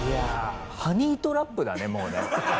ハニートラップだねもうね。